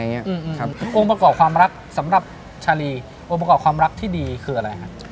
องค์ประกอบความรักสำหรับชาลีองค์ประกอบความรักที่ดีคืออะไรครับ